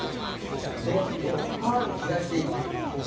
できて、東へ行きます。